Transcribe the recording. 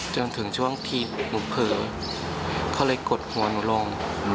จนถึงช่วงที่หนูเผลอเขาเลยกดหัวหนูลง